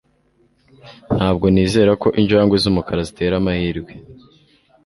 Ntabwo nizera ko injangwe zumukara zitera amahirwe